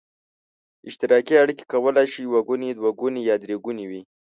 اشتراکي اړیکې کولای شي یو ګوني، دوه ګوني یا درې ګوني وي.